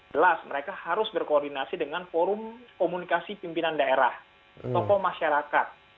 jelas mereka harus berkoordinasi dengan forum komunikasi pimpinan daerah tokoh masyarakat